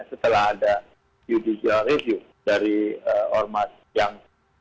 setelah ada judicial review dari ormas yang